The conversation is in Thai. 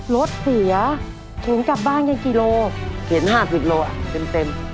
รถเหลือถึงกลับบ้านกี่โลเขียนห้าสิบโลเต็ม